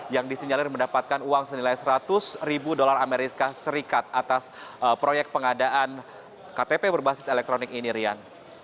yang disinyalir mendapatkan uang senilai seratus ribu dolar amerika serikat atas proyek pengadaan ktp berbasis elektronik ini rian